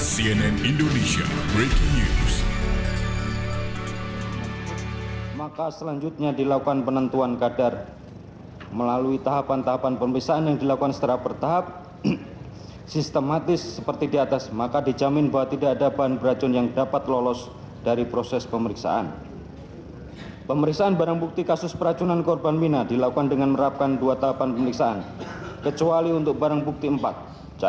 cnn indonesia breaking news